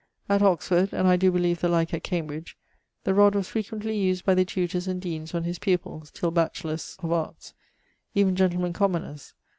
At Oxford (and I doe believe the like at Cambridge) the rod was frequently used by the tutors and deanes on his pupills, till bachelaurs of Arts; even gentlemen commoners.